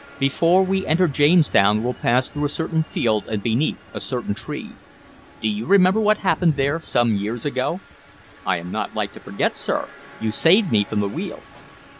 "Before we enter Jamestown we'll pass through a certain field and beneath a certain tree. Do you remember what happened there, some years ago?" "I am not like to forget, sir. You saved me from the wheel."